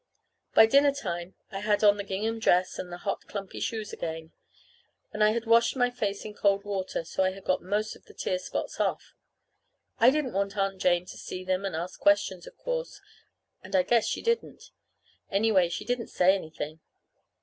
By dinner time I had on the gingham dress and the hot clumpy shoes again; and I had washed my face in cold water so I had got most of the tear spots off. I didn't want Aunt Jane to see them and ask questions, of course. And I guess she didn't. Anyway, she didn't say anything.